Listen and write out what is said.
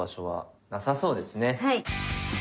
はい。